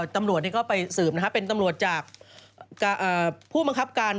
ตำรวจเนี่ยก็ไปสืบนะฮะเป็นตำรวจจากผู้มังคับการ